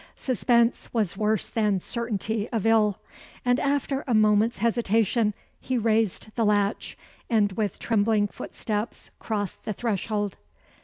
Suspense was worse than certainty of ill: and after a moment's hesitation, he raised the latch, and with trembling footsteps crossed the threshold.